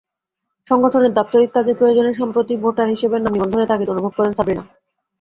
সংগঠনের দাপ্তরিক কাজের প্রয়োজনে সম্প্রতি ভোটার হিসেবে নাম নিবন্ধনের তাগিদ অনুভব করেন সাবরিনা।